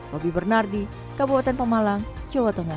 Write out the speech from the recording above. roby bernardi kabupaten pemalang jawa tengah